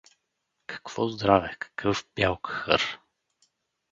— Какво здраве, какъв бял кахър!